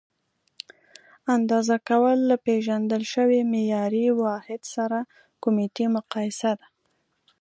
اندازه کول له پیژندل شوي معیاري واحد سره کمیتي مقایسه ده.